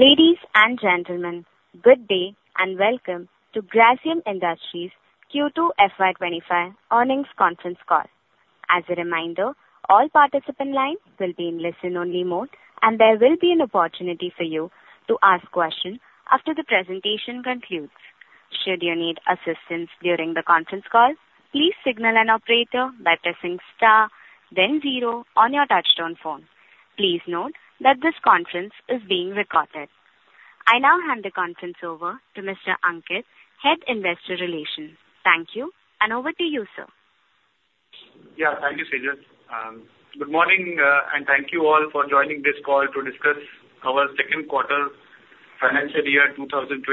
Ladies and gentlemen, good day and welcome to Grasim Industries Q2 FY25 earnings conference call. As a reminder, all participant lines will be in listen-only mode, and there will be an opportunity for you to ask questions after the presentation concludes. Should you need assistance during theconference call, please signal an operator by pressing star, then zero on your touch-tone phone. Please note that this conference is being recorded. I now hand the conference over to Mr. Ankit, Head Investor Relations. Thank you, and over to you, sir. Yeah, thank you, Seja. Good morning, and thank you all for joining this call to discuss our second quarter financial year 2025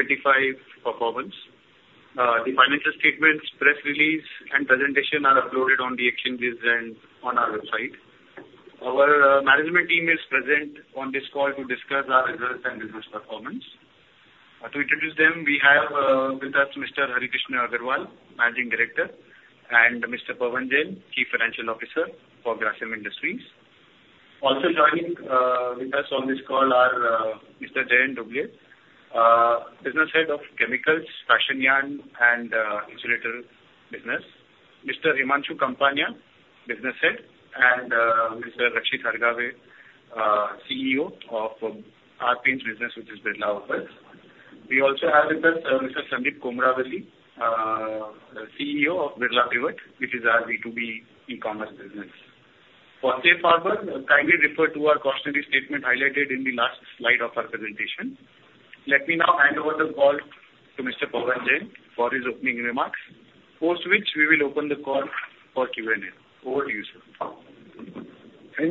performance. The financial statements, press release, and presentation are uploaded on the exchanges and on our website. Our management team is present on this call to discuss our results and business performance. To introduce them, we have with us Mr. Hari Krishna Agarwal, Managing Director, and Mr. Pavan Jain, Chief Financial Officer for Grasim Industries. Also joining with us on this call are Mr. Jayant Dhobley, Business Head of Chemicals, Fashion Yarn, and Insulator Business; Mr. Himanshu Kapania, Business Head; and Mr. Rakshit Hargave, CEO of Paints Business, which is Birla Opus. We also have with us Mr. Sandeep Komaravelly, CEO of Birla Pivot, which is our B2B e-commerce business. For safe harbor, kindly refer to our cautionary statement highlighted in the last slide of our presentation. Let me now hand over the call to Mr. Pavan Jain for his opening remarks, post which we will open the call for Q&A. Over to you, sir. Thank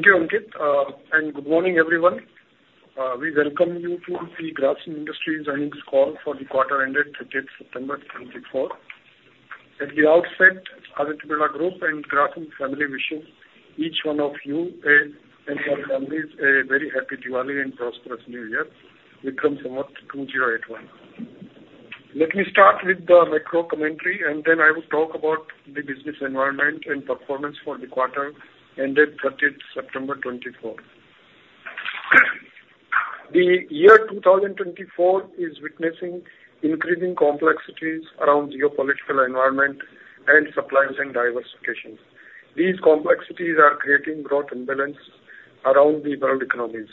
you, Ankit, and good morning, everyone. We welcome you to the Grasim Industries earnings call for the quarter ended 30th September 2024. At the outset, Aditya Birla Group and Grasim family wishes each one of you and your families a very happy Diwali and prosperous New Year, Vikram Samvat 2081. Let me start with the macro-commentary, and then I will talk about the business environment and performance for the quarter ended 30th September 2024. The year 2024 is witnessing increasing complexities around geopolitical environment and supply chain diversification. These complexities are creating growth imbalance around the world economies.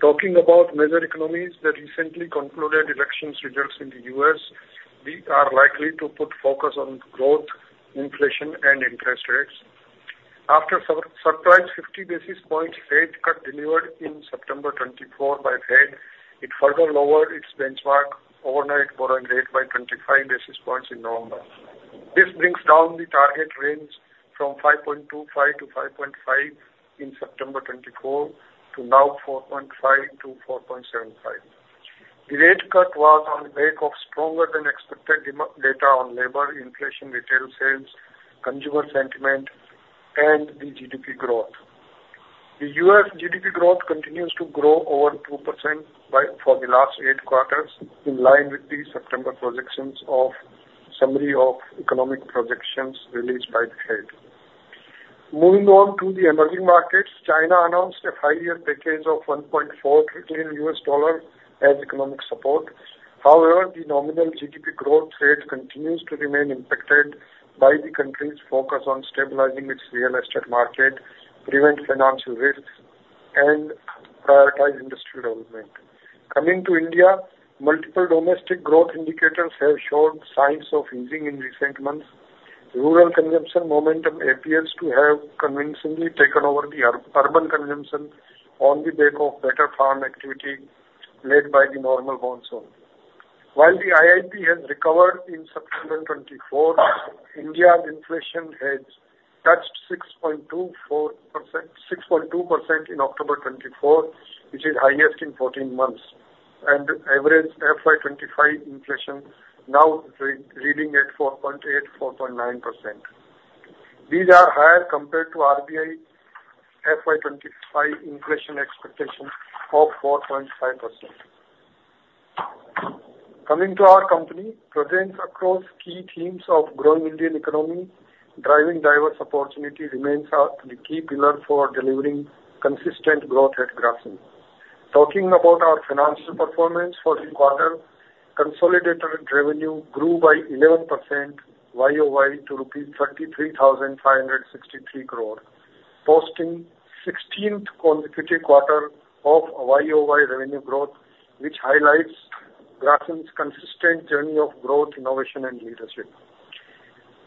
Talking about major economies, the recently concluded elections results in the U.S. are likely to put focus on growth, inflation, and interest rates. After surprise 50 basis points Fed cut delivered in September 2024 by Fed, it further lowered its benchmark overnight borrowing rate by 25 basis points in November. This brings down the target range from 5.25 to 5.5 in September 2024 to now 4.5 to 4.75. The rate cut was on the back of stronger-than-expected data on labor, inflation, retail sales, consumer sentiment, and the GDP growth. The U.S. GDP growth continues to grow over 2% for the last eight quarters, in line with the September projections of the summary of economic projections released by the Fed. Moving on to the emerging markets, China announced a five-year package of $1.4 trillion as economic support. However, the nominal GDP growth rate continues to remain impacted by the country's focus on stabilizing its real estate market, prevent financial risks, and prioritize industrial development. Coming to India, multiple domestic growth indicators have showed signs of easing in recent months. Rural consumption momentum appears to have convincingly taken over the urban consumption on the back of better farm activity led by the normal monsoon. While the IIP has recovered in September 2024, India's inflation has touched 6.2% in October 2024, which is the highest in 14 months, and average FY25 inflation now reading at 4.8%, 4.9%. These are higher compared to RBI FY25 inflation expectation of 4.5%. Coming to our company, presence across key themes of growing Indian economy, driving diverse opportunity remains the key pillar for delivering consistent growth at Grasim. Talking about our financial performance for the quarter, consolidated revenue grew by 11%, YOY to rupees 33,563 crore, posting the 16th consecutive quarter of YOY revenue growth, which highlights Grasim's consistent journey of growth, innovation, and leadership.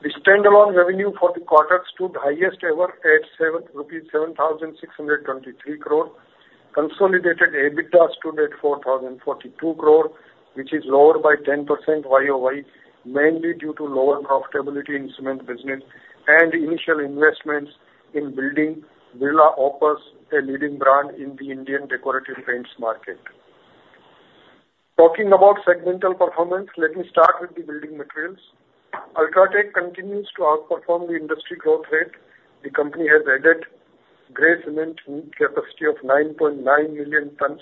The standalone revenue for the quarter stood highest ever at INR 7,623 crore. Consolidated EBITDA stood at INR 4,042 crore, which is lower by 10% YOY, mainly due to lower profitability in cement business and initial investments in building Birla Opus, a leading brand in the Indian decorative paints market. Talking about segmental performance, let me start with the building materials. UltraTech continues to outperform the industry growth rate. The company has added gray cement capacity of 9.9 million tons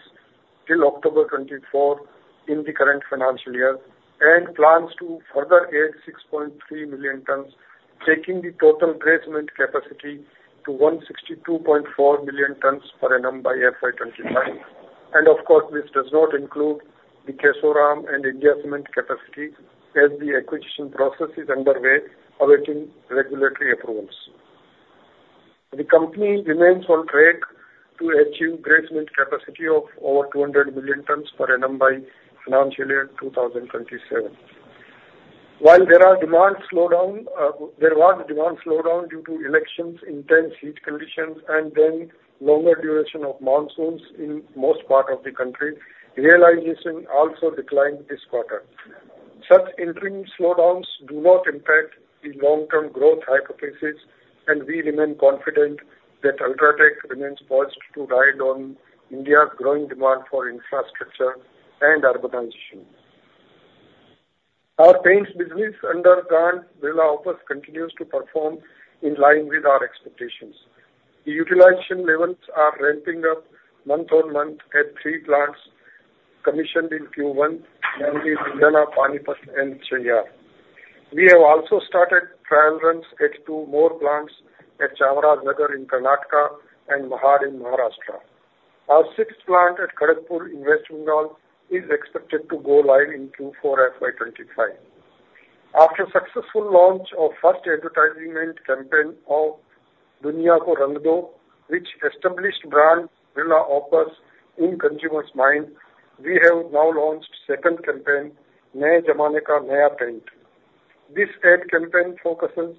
till October 2024 in the current financial year and plans to further add 6.3 million tons, taking the total gray cement capacity to 162.4 million tons per annum by FY25, And of course, this does not include the Kesoram and India Cements capacity as the acquisition process is underway, awaiting regulatory approvals. The company remains on track to achieve gray cement capacity of over 200 million tons per annum by financial year 2027. While there was a demand slowdown due to elections, intense heat conditions, and then longer duration of monsoons in most parts of the country, realization also declined this quarter. Such interim slowdowns do not impact the long-term growth hypothesis, and we remain confident that UltraTech remains poised to ride on India's growing demand for infrastructure and urbanization. Our paints business under Grasim Birla Opus continues to perform in line with our expectations. The utilization levels are ramping up month on month at three plants commissioned in Q1, namely Ludhiana, Panipat, and Chennai. We have also started trial runs at two more plants at Chamarajanagar in Karnataka and Mahad in Maharashtra. Our sixth plant at Kharagpur in West Bengal is expected to go live in Q4 FY25. After successful launch of the first advertising campaign of Duniya Ko Rang Do, which established the brand Birla Opus in consumers' minds, we have now launched the second campaign, Naye Zamane Ka Naya Paint. This ad campaign focuses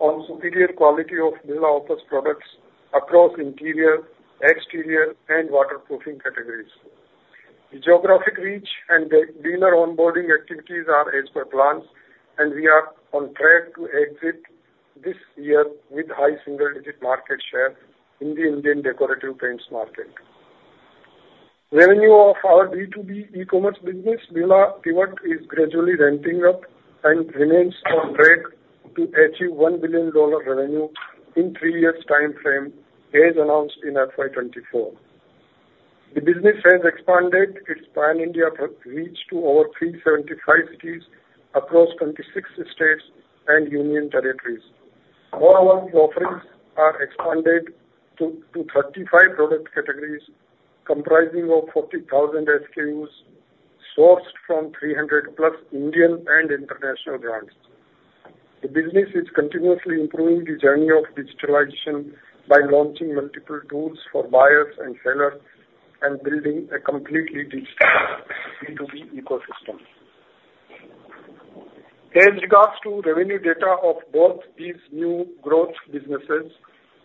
on the superior quality of Birla Opus products across interior, exterior, and waterproofing categories. The geographic reach and the dealer onboarding activities are as per plans, and we are on track to exit this year with a high single-digit market share in the Indian decorative paints market. Revenue of our B2B e-commerce business, Birla Pivot, is gradually ramping up and remains on track to achieve $1 billion revenue in the three-year time frame as announced in FY24. The business has expanded its Pan-India reach to over 375 cities across 26 states and union territories. Moreover, the offerings are expanded to 35 product categories comprising of 40,000 SKUs sourced from 300-plus Indian and international brands. The business is continuously improving the journey of digitalization by launching multiple tools for buyers and sellers and building a completely digital B2B ecosystem. As regards to revenue data of both these new growth businesses,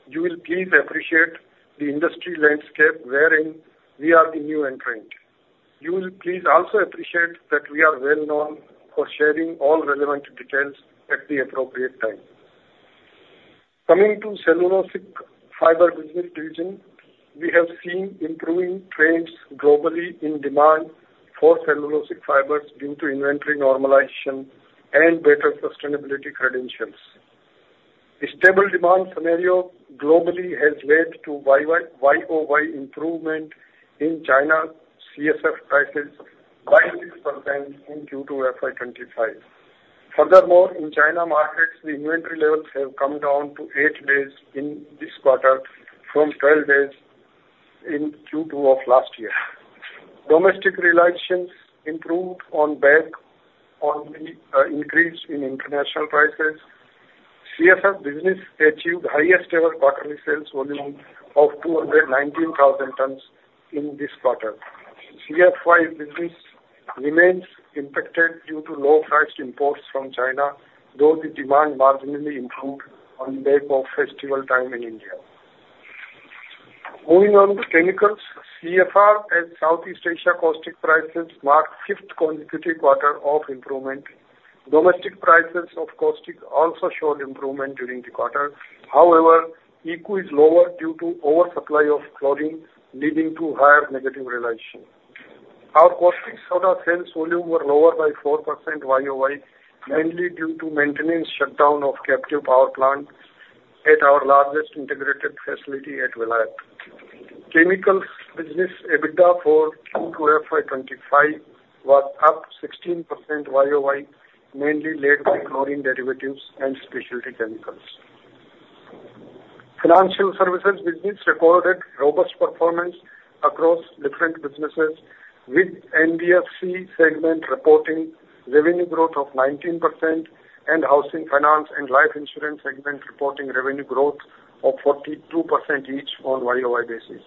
you will please appreciate the industry landscape wherein we are the new entrant. You will please also appreciate that we are well-known for sharing all relevant details at the appropriate time. Coming to cellulosic fiber business division, we have seen improving trends globally in demand for cellulosic fibers due to inventory normalization and better sustainability credentials. The stable demand scenario globally has led to YOY improvement in China's VSF prices by 6% in Q2 FY25. Furthermore, in China markets, the inventory levels have come down to 8 days in this quarter from 12 days in Q2 of last year. Domestic realizations improved on the back of the increase in international prices. VSF business achieved the highest-ever quarterly sales volume of 219,000 tons in this quarter. VFY business remains impacted due to low-priced imports from China, though the demand marginally improved on the back of festival time in India. Moving on to chemicals, CFR Southeast Asia caustic prices marked the fifth consecutive quarter of improvement. Domestic prices of caustic also showed improvement during the quarter. However, ECU is lower due to oversupply of chlorine, leading to higher negative realization. Our caustic soda sales volume were lower by 4% YOY, mainly due to maintenance shutdown of captive power plants at our largest integrated facility at Vilayat. Chemicals business EBITDA for Q2 FY25 was up 16% YOY, mainly led by chlorine derivatives and specialty chemicals. Financial services business recorded robust performance across different businesses, with NBFC segment reporting revenue growth of 19% and housing finance and life insurance segment reporting revenue growth of 42% each on YOY basis.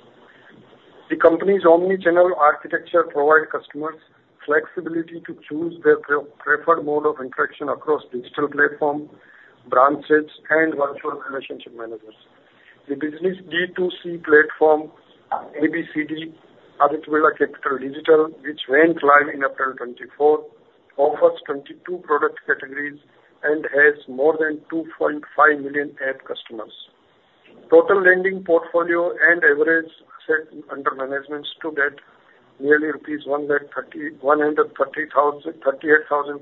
The company's omnichannel architecture provides customers flexibility to choose their preferred mode of interaction across digital platforms, branches, and virtual relationship managers. The business D2C platform, ABCD, Aditya Birla Capital Digital, which went live in April 2024, offers 22 product categories and has more than 2.5 million active customers. Total lending portfolio and average AUM under management stood at nearly rupees 138,000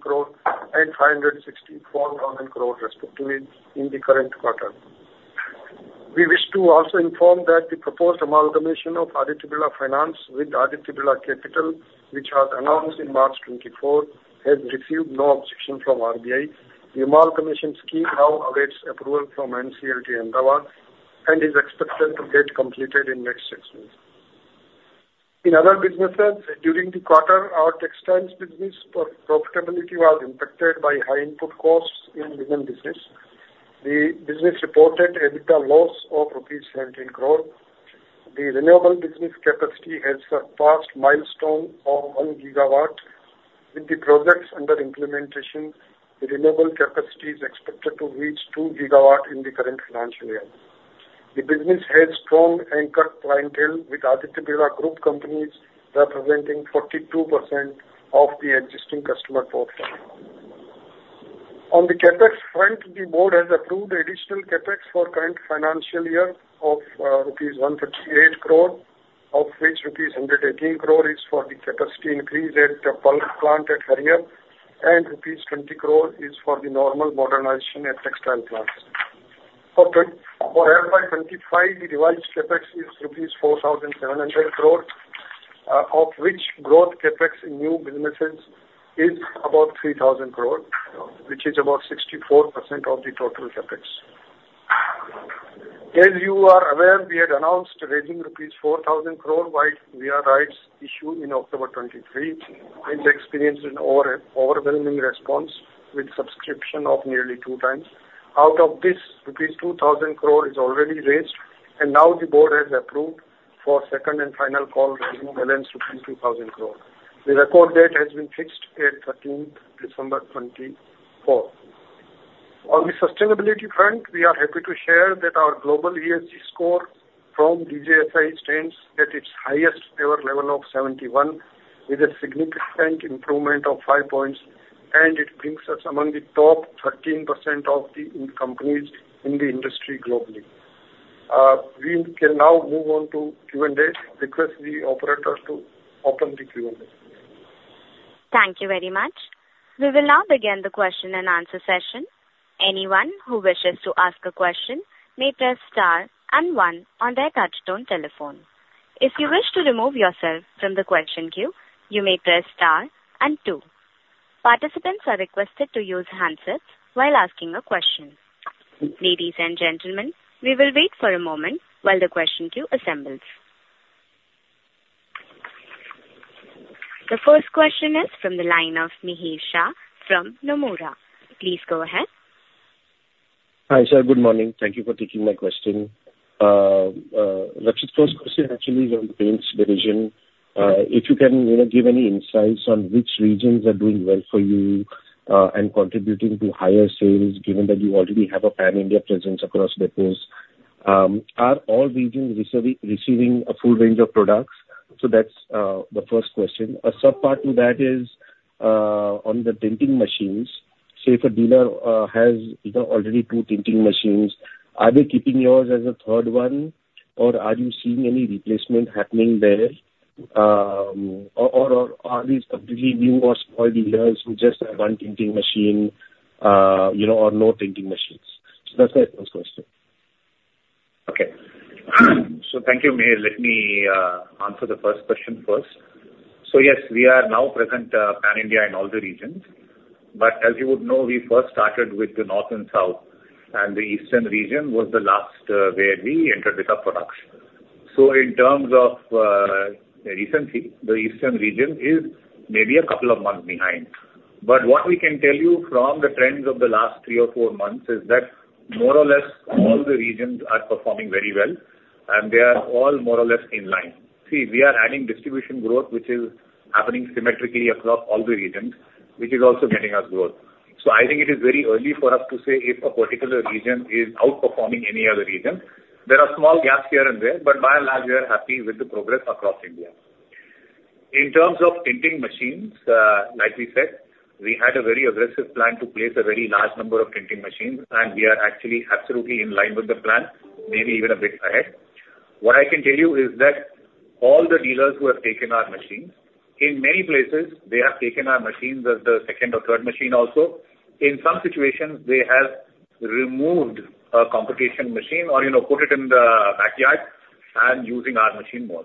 crore and 564,000 crore, respectively, in the current quarter. We wish to also inform that the proposed amalgamation of Aditya Birla Finance with Aditya Birla Capital, which was announced in March 2024, has received no objection from RBI. The amalgamation scheme now awaits approval from NCLT Ahmedabad and is expected to get completed in the next six months. In other businesses, during the quarter, our textiles business profitability was impacted by high input costs in recent business. The business reported EBITDA loss of Rs. 17 crore. The renewable business capacity has surpassed milestones of one gigawatt. With the projects under implementation, the renewable capacity is expected to reach two gigawatts in the current financial year. The business has strong anchored clientele with Aditya Birla Group companies representing 42% of the existing customer profile. On the CapEx front, the board has approved additional CapEx for the current financial year of Rs. 138 crore, of which Rs. 118 crore is for the capacity increase at the bulk plant at Harihar and rupees 20 crore is for the normal modernization at textile plants. For FY25, the revised CapEx is rupees 4,700 crore, of which growth CapEx in new businesses is about 3,000 crore, which is about 64% of the total CapEx. As you are aware, we had announced raising rupees 4,000 crore via rights issue in October 2023, which experienced an overwhelming response with subscription of nearly two times. Out of this, rupees 2,000 crore is already raised, and now the board has approved for the second and final call raising balance 2,000 crore. The record date has been fixed at 13 December 2024. On the sustainability front, we are happy to share that our global ESG score from DJSI stands at its highest-ever level of 71, with a significant improvement of 5 points, and it brings us among the top 13% of the companies in the industry globally. We can now move on to Q&A. Request the operator to open the Q&A. Thank you very much. We will now begin the question and answer session. Anyone who wishes to ask a question may press star and one on their touch-tone telephone. If you wish to remove yourself from the question queue, you may press star and two. Participants are requested to use handsets while asking a question. Ladies and gentlemen, we will wait for a moment while the question queue assembles. The first question is from the line of Mihir Shah from Nomura. Please go ahead. Hi, sir. Good morning. Thank you for taking my question. Rakshit, our question actually is on the paints division. If you can give any insights on which regions are doing well for you and contributing to higher sales, given that you already have a Pan-India presence across depots, are all regions receiving a full range of products? So that's the first question. A subpart to that is on the tinting machines. Say if a dealer has already two tinting machines, are they keeping yours as a third one, or are you seeing any replacement happening there, or are these completely new or spoiled dealers who just have one tinting machine or no tinting machines? So that's my first question. Okay. So thank you, Mihir. Let me answer the first question first. So yes, we are now present Pan-India in all the regions. But as you would know, we first started with the north and south, and the eastern region was the last where we entered with our production. So in terms of recency, the eastern region is maybe a couple of months behind. But what we can tell you from the trends of the last three or four months is that more or less all the regions are performing very well, and they are all more or less in line. See, we are adding distribution growth, which is happening symmetrically across all the regions, which is also getting us growth. So I think it is very early for us to say if a particular region is outperforming any other region. There are small gaps here and there, but by and large, we are happy with the progress across India. In terms of tinting machines, like we said, we had a very aggressive plan to place a very large number of tinting machines, and we are actually absolutely in line with the plan, maybe even a bit ahead. What I can tell you is that all the dealers who have taken our machines, in many places, they have taken our machines as the second or third machine also. In some situations, they have removed a competitor machine or put it in the backyard and using our machine more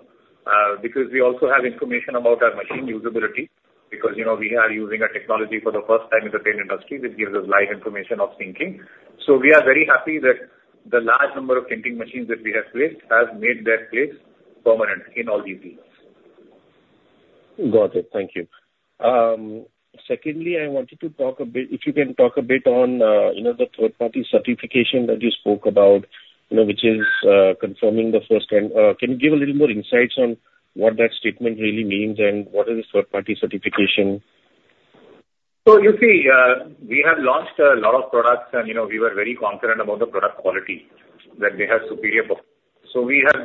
because we also have information about our machine usability because we are using a technology for the first time in the paint industry that gives us live information of tinting. So we are very happy that the large number of tinting machines that we have placed has made their place permanent in all these regions. Got it. Thank you. Secondly, I wanted to talk a bit, if you can talk a bit on the third-party certification that you spoke about, which is confirming the first trend. Can you give a little more insights on what that statement really means and what is a third-party certification? So you see, we have launched a lot of products, and we were very confident about the product quality that they have superior performance. So we have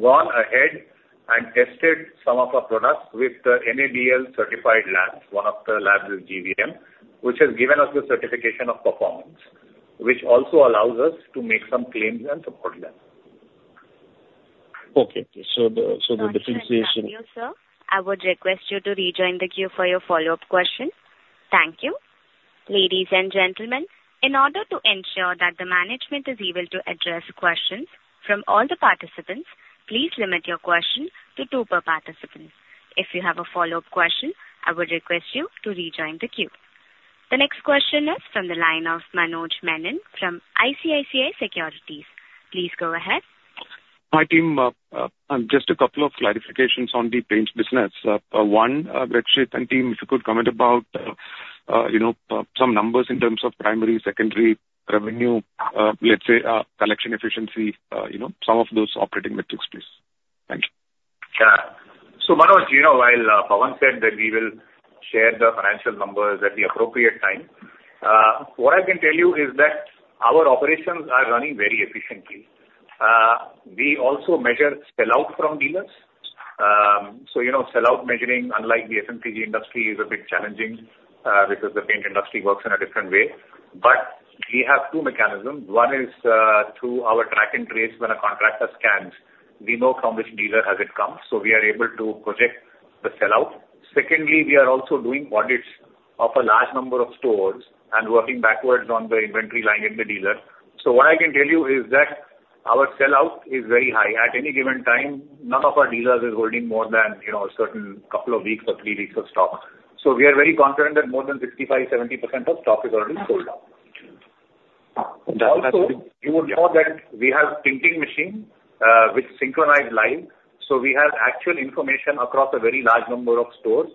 gone ahead and tested some of our products with the NABL certified labs, one of the labs is GVM, which has given us the certification of performance, which also allows us to make some claims and support them. Okay. So the differentiation. Thank you, sir. I would request you to rejoin the queue for your follow-up question. Thank you. Ladies and gentlemen, in order to ensure that the management is able to address questions from all the participants, please limit your question to two per participant. If you have a follow-up question, I would request you to rejoin the queue. The next question is from the line of Manoj Menon from ICICI Securities. Please go ahead. Hi, team. Just a couple of clarifications on the paints business. One, Rakshit and team, if you could comment about some numbers in terms of primary, secondary revenue, let's say, collection efficiency, some of those operating metrics, please. Thank you. Yeah. So Manoj, while Pavan said that we will share the financial numbers at the appropriate time, what I can tell you is that our operations are running very efficiently. We also measure sellout from dealers. So sellout measuring, unlike the FMCG industry, is a bit challenging because the paint industry works in a different way. But we have two mechanisms. One is through our track and trace when a contractor scans, we know from which dealer has it come, so we are able to project the sellout. Secondly, we are also doing audits of a large number of stores and working backwards on the inventory line in the dealer. So what I can tell you is that our sellout is very high. At any given time, none of our dealers is holding more than a certain couple of weeks or three weeks of stock. So we are very confident that more than 65%-70% of stock is already sold out. You would know that we have tinting machines with synchronized live, so we have actual information across a very large number of stores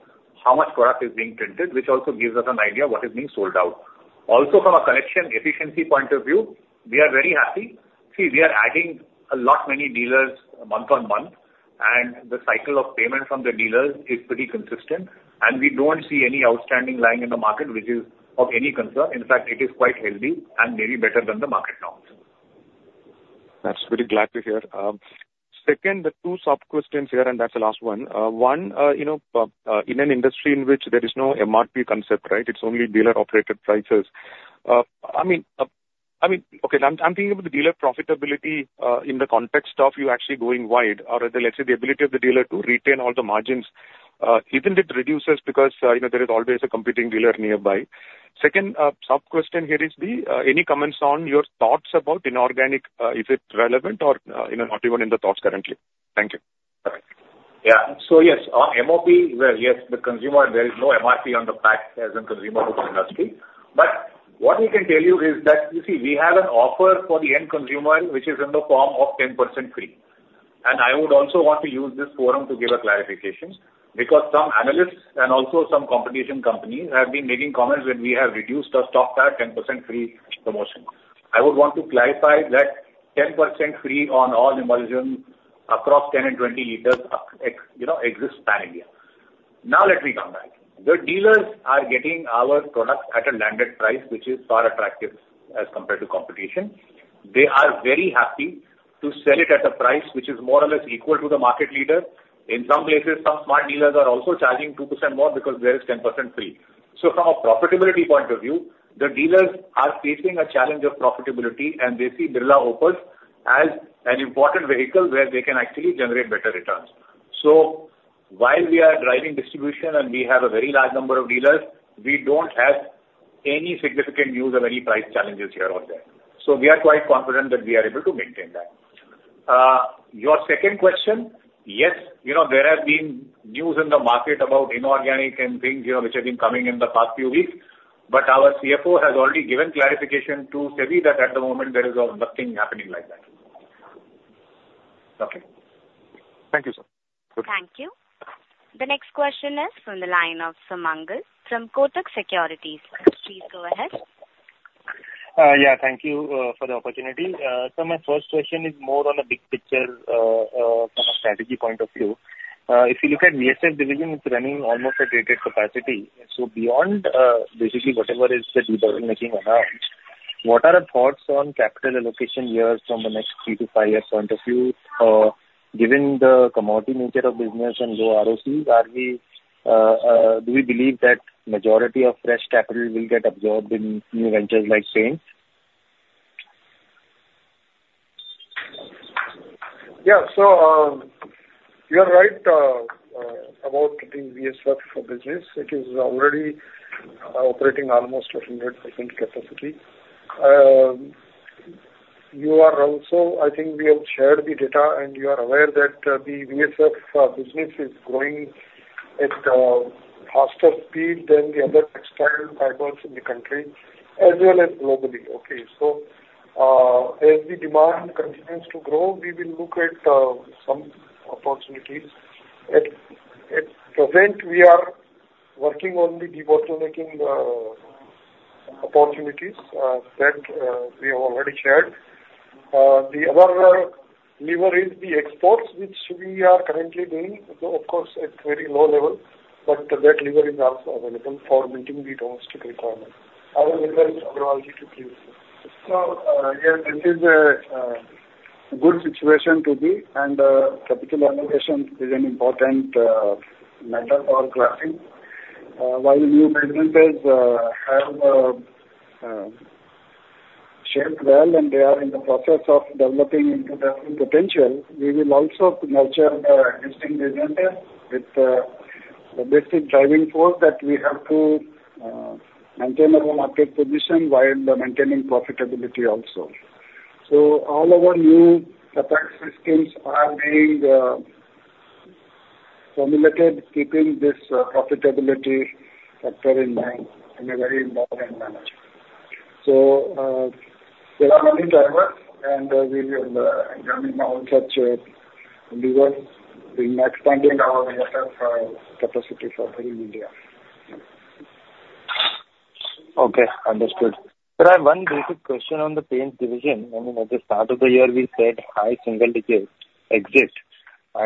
how much product is being tinted, which also gives us an idea of what is being sold. Also, from a collection efficiency point of view, we are very happy. See, we are adding a lot many dealers month on month, and the cycle of payment from the dealers is pretty consistent, and we don't see any outstanding line in the market, which is of any concern. In fact, it is quite healthy and maybe better than the market now. That's very glad to hear. Second, the two sub-questions here, and that's the last one. One, in an industry in which there is no MRP concept, right? It's only dealer-operated prices. I mean, okay, I'm thinking about the dealer profitability in the context of you actually going wide, or let's say the ability of the dealer to retain all the margins. Isn't it reduced because there is always a competing dealer nearby? Second sub-question here is there any comments on your thoughts about inorganic, if it's relevant or not even in the thoughts currently? Thank you. Yeah. So yes, MRP. Well, yes, the consumer, there is no MRP on the paint as in consumer goods industry. But what we can tell you is that, you see, we have an offer for the end consumer, which is in the form of 10% free. And I would also want to use this forum to give a clarification because some analysts and also some competing companies have been making comments that we have reduced our stock by 10% free promotion. I would want to clarify that 10% free on all emulsions across 10 and 20 liters exists pan-India. Now, let me come back. The dealers are getting our product at a landed price, which is far attractive as compared to competition. They are very happy to sell it at a price which is more or less equal to the market leader. In some places, some smart dealers are also charging 2% more because there is 10% free. So from a profitability point of view, the dealers are facing a challenge of profitability, and they see Birla Opus as an important vehicle where they can actually generate better returns. So while we are driving distribution and we have a very large number of dealers, we don't have any significant news of any price challenges here or there. So we are quite confident that we are able to maintain that. Your second question, yes, there have been news in the market about inorganic and things which have been coming in the past few weeks, but our CFO has already given clarification to say that at the moment there is nothing happening like that. Okay. Thank you, sir. Thank you. The next question is from the line of Sumangal from Kotak Securities. Please go ahead. Yeah, thank you for the opportunity. So my first question is more on a big picture from a strategy point of view. If you look at VSF division, it's running almost at rated capacity. So beyond basically whatever is the deal making around, what are the thoughts on capital allocation years from the next three to five years point of view? Given the commodity nature of business and low ROCs, do we believe that majority of fresh capital will get absorbed in new ventures like paints? Yeah. So you are right about the VSF business. It is already operating almost 100% capacity. You are also, I think we have shared the data, and you are aware that the VSF business is growing at a faster speed than the other textile fibers in the country as well as globally. Okay. So as the demand continues to grow, we will look at some opportunities. At present, we are working on the debottlenecking opportunities that we have already shared. The other lever is the exports, which we are currently doing. Of course, it's very low level, but that lever is also available for meeting the domestic requirements. I will invite Agarwalji to please. So yeah, this is a good situation to be, and capital allocation is an important matter for Grasim. While new businesses have shaped well and they are in the process of developing into their full potential, we will also nurture existing businesses with the basic driving force that we have to maintain our market position while maintaining profitability also. So all our new capacity schemes are being formulated, keeping this profitability factor in mind in a very important manner. So there are many drivers, and we will examine all such levers in expanding our VSF capacity for Pan-India. Okay. Understood. Sir, I have one basic question on the paint division. I mean, at the start of the year, we said high single-digit. I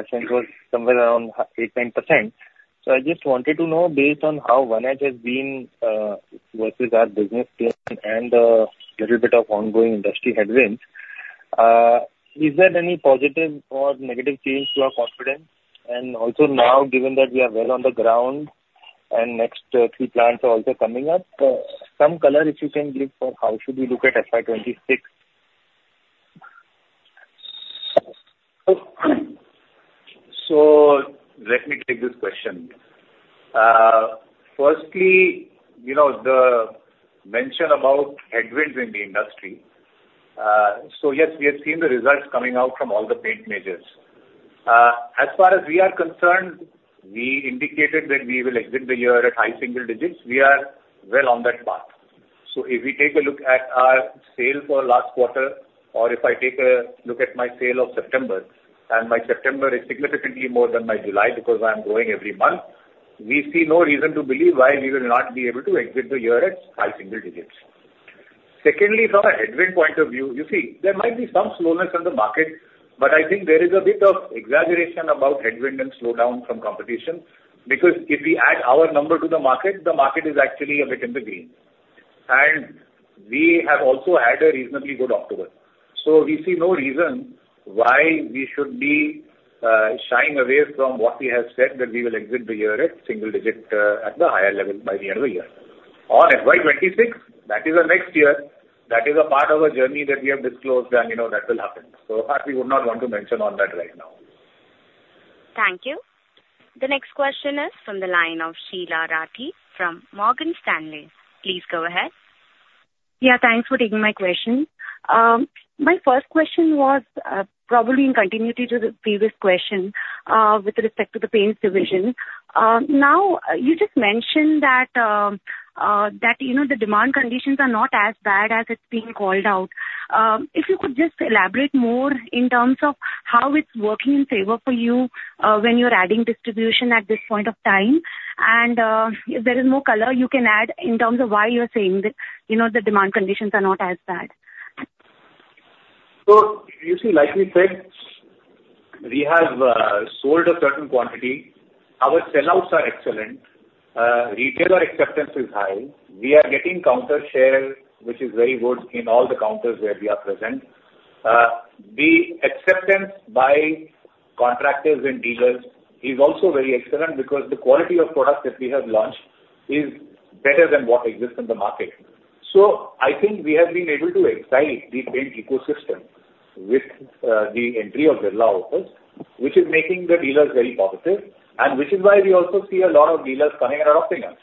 think it was somewhere around 8-9%. So I just wanted to know, based on how our edge has been versus our business plan and a little bit of ongoing industry headwinds, is there any positive or negative change to our confidence? And also now, given that we are well on the ground and the next three plants are also coming up, some color if you can give for how we should look at FY26. Let me take this question. Firstly, the mention about headwinds in the industry. Yes, we have seen the results coming out from all the paint majors. As far as we are concerned, we indicated that we will exit the year at high single digits. We are well on that path. If we take a look at our sales for last quarter, or if I take a look at my sales of September, and my September is significantly more than my July because I'm growing every month, we see no reason to believe why we will not be able to exit the year at high single digits. Secondly, from a headwind point of view, you see, there might be some slowness in the market, but I think there is a bit of exaggeration about headwind and slowdown from competition because if we add our number to the market, the market is actually a bit in the green. And we have also had a reasonably good October. So we see no reason why we should be shying away from what we have said that we will exit the year at single digit at the higher level by the end of the year. On FY26, that is a next year. That is a part of a journey that we have disclosed, and that will happen. So we would not want to mention on that right now. Thank you. The next question is from the line of Sheela Rathi from Morgan Stanley. Please go ahead. Yeah, thanks for taking my question. My first question was probably in continuity to the previous question with respect to the paints division. Now, you just mentioned that the demand conditions are not as bad as it's being called out. If you could just elaborate more in terms of how it's working in favor for you when you're adding distribution at this point of time, and if there is more color, you can add in terms of why you're saying that the demand conditions are not as bad. So you see, like we said, we have sold a certain quantity. Our sellouts are excellent. Retailer acceptance is high. We are getting counter share, which is very good in all the counters where we are present. The acceptance by contractors and dealers is also very excellent because the quality of product that we have launched is better than what exists in the market. So I think we have been able to excite the paint ecosystem with the entry of Birla Opus, which is making the dealers very positive, and which is why we also see a lot of dealers coming and adopting us.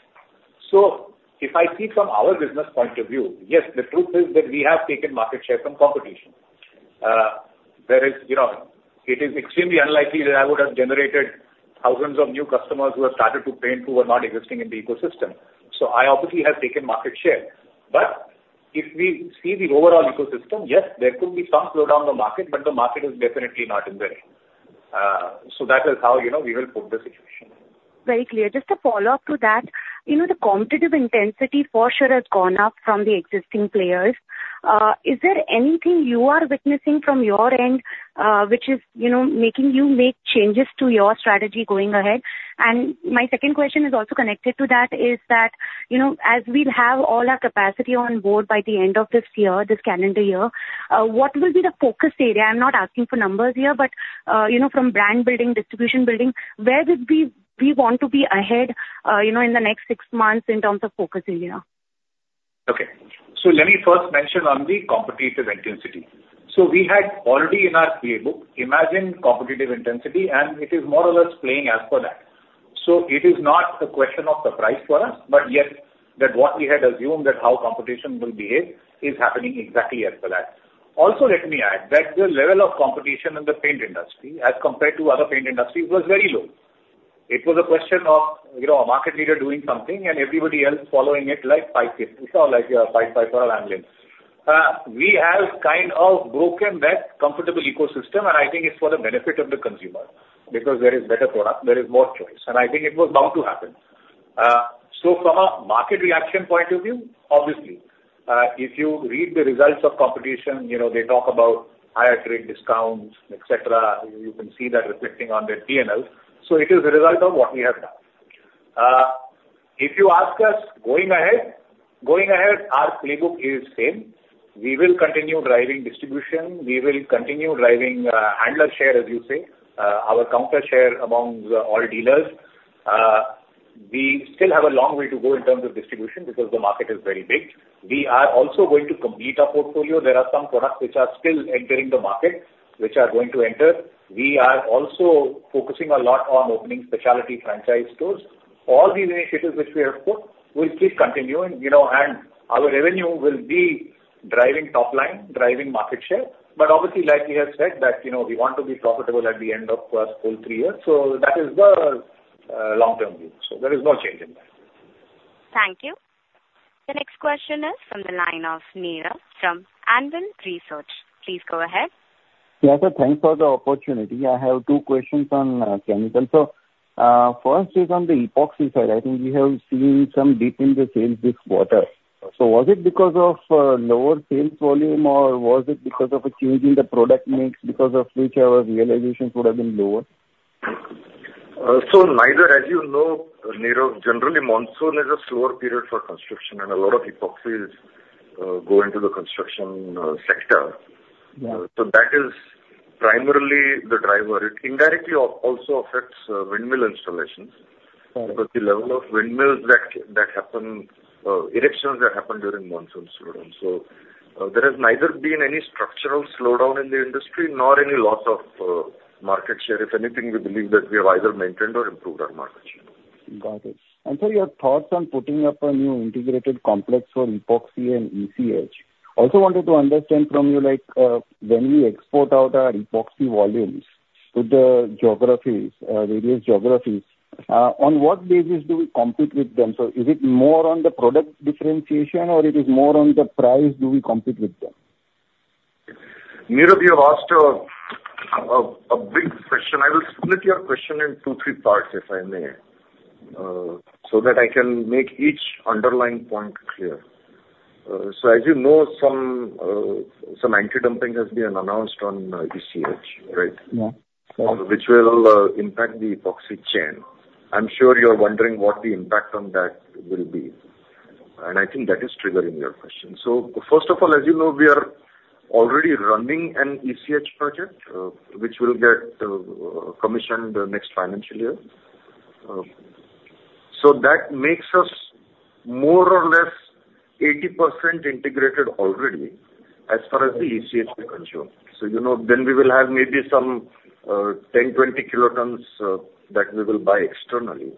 So if I speak from our business point of view, yes, the truth is that we have taken market share from competition. It is extremely unlikely that I would have generated thousands of new customers who have started to paint who were not existing in the ecosystem. So I obviously have taken market share. But if we see the overall ecosystem, yes, there could be some slowdown in the market, but the market is definitely not in the red. That is how we will put the situation. Very clear. Just to follow up to that, the competitive intensity for sure has gone up from the existing players. Is there anything you are witnessing from your end which is making you make changes to your strategy going ahead? And my second question is also connected to that, is that as we have all our capacity on board by the end of this year, this calendar year, what will be the focus area? I'm not asking for numbers here, but from brand building, distribution building, where would we want to be ahead in the next six months in terms of focus area? Okay. So let me first mention on the competitive intensity. So we had already in our playbook anticipated competitive intensity, and it is more or less playing as per that. So it is not a question of the price for us, but yes, that, what we had assumed, that how competition will behave is happening exactly as per that. Also, let me add that the level of competition in the paint industry as compared to other industries was very low. It was a question of a market leader doing something and everybody else following it like the Pied Piper. We have kind of broken that comfortable ecosystem, and I think it's for the benefit of the consumer because there is better product, there is more choice, and I think it was bound to happen. So from a market reaction point of view, obviously, if you read the results of competition, they talk about higher trade discounts, etc. You can see that reflecting on their P&L. So it is a result of what we have done. If you ask us going ahead, our playbook is same. We will continue driving distribution. We will continue driving handler share, as you say, our counter share among all dealers. We still have a long way to go in terms of distribution because the market is very big. We are also going to complete our portfolio. There are some products which are still entering the market, which are going to enter. We are also focusing a lot on opening specialty franchise stores. All these initiatives which we have put will keep continuing, and our revenue will be driving top line, driving market share. But obviously, like we have said, that we want to be profitable at the end of the full three years. So that is the long-term view. So there is no change in that. Thank you. The next question is from the line of Meera from Anvil Research. Please go ahead. Yes, sir. Thanks for the opportunity. I have two questions on chemicals. So first is on the epoxy side. I think we have seen some dip in the sales this quarter. So was it because of lower sales volume, or was it because of a change in the product mix because of which our realizations would have been lower? So neither, as you know, generally, monsoon is a slower period for construction, and a lot of epoxies go into the construction sector. So that is primarily the driver. It indirectly also affects windmill installations because the level of windmills that happen, erections that happen during monsoon slowdown. So there has neither been any structural slowdown in the industry nor any loss of market share. If anything, we believe that we have either maintained or improved our market share. Got it. And so your thoughts on putting up a new integrated complex for epoxy and ECH? Also wanted to understand from you, when we export out our epoxy volumes to the geographies, various geographies, on what basis do we compete with them? So is it more on the product differentiation, or it is more on the price do we compete with them? Meera, you've asked a big question. I will split your question into three parts, if I may, so that I can make each underlying point clear. So as you know, some anti-dumping has been announced on ECH, right? Yeah. Which will impact the epoxy chain. I'm sure you're wondering what the impact on that will be. And I think that is triggering your question. So first of all, as you know, we are already running an ECH project, which will get commissioned next financial year. So that makes us more or less 80% integrated already as far as the ECH will consume. So then we will have maybe some 10-20 kilotons that we will buy externally.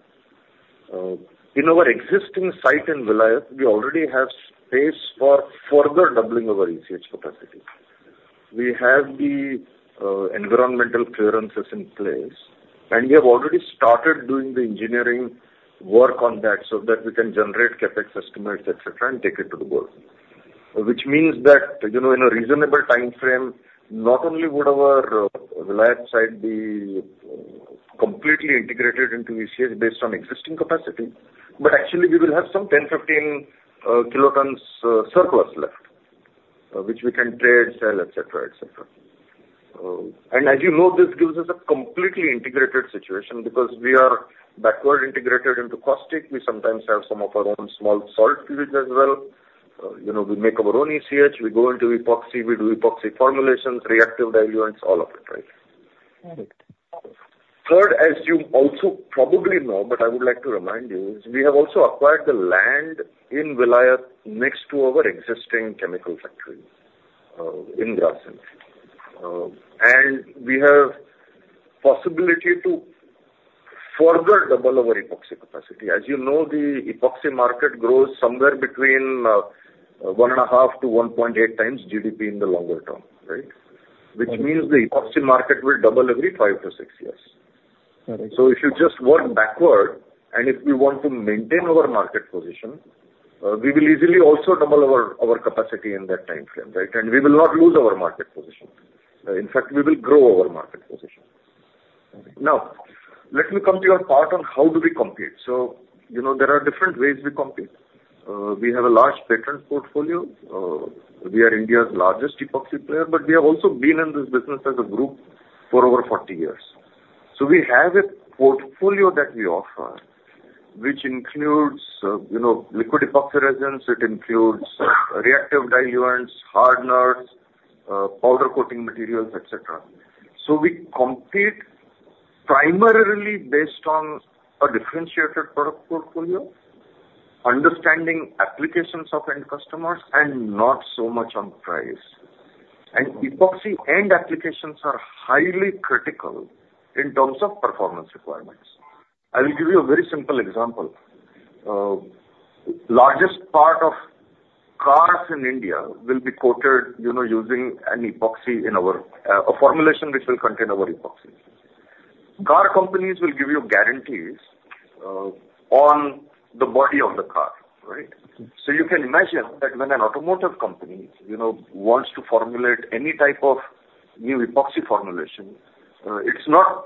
In our existing site in Vilayat, we already have space for further doubling of our ECH capacity. We have the environmental clearances in place, and we have already started doing the engineering work on that so that we can generate CapEx estimates, etc., and take it to the board, which means that in a reasonable time frame, not only would our Vilayat site be completely integrated into ECH based on existing capacity, but actually, we will have some 10-15 kilotons surplus left, which we can trade, sell, etc., etc. As you know, this gives us a completely integrated situation because we are backward integrated into Caustic. We sometimes have some of our own small salt plants as well. We make our own ECH. We go into epoxy. We do epoxy formulations, reactive diluents, all of it, right? Correct. Third, as you also probably know, but I would like to remind you, we have also acquired the land in Vilayat next to our existing chemical factory in Grasim. And we have the possibility to further double our epoxy capacity. As you know, the epoxy market grows somewhere between 1.5-1.8 times GDP in the longer term, right? Which means the epoxy market will double every 5-6 years. So if you just work backward, and if we want to maintain our market position, we will easily also double our capacity in that time frame, right? And we will not lose our market position. In fact, we will grow our market position. Now, let me come to your part on how do we compete. So there are different ways we compete. We have a large patent portfolio. We are India's largest epoxy player, but we have also been in this business as a group for over 40 years. So we have a portfolio that we offer, which includes liquid epoxy resins. It includes reactive diluents, hardeners, powder coating materials, etc. So we compete primarily based on a differentiated product portfolio, understanding applications of end customers, and not so much on price. And epoxy end applications are highly critical in terms of performance requirements. I will give you a very simple example. The largest part of cars in India will be coated using an epoxy in our formulation which will contain our epoxy. Car companies will give you guarantees on the body of the car, right? So you can imagine that when an automotive company wants to formulate any type of new epoxy formulation, it's not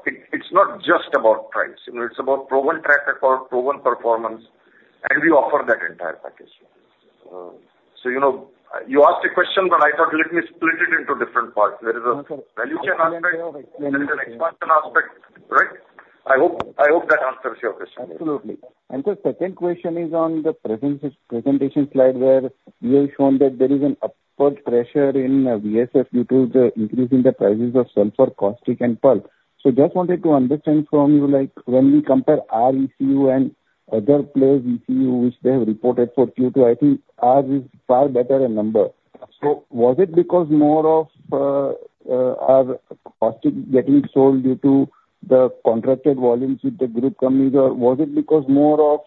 just about price. It's about proven track record, proven performance, and we offer that entire package. So you asked a question, but I thought let me split it into different parts. There is a value chain aspect and an expansion aspect. Right? I hope that answers your question. Absolutely. And the second question is on the presentation slide where you have shown that there is an upward pressure in VSF due to the increase in the prices of sulfur, caustic, and pulp. So just wanted to understand from you, when we compare our ECU and other players' ECU, which they have reported for Q2, I think ours is far better in number. So was it because more of our caustic getting sold due to the contracted volumes with the group companies, or was it because more of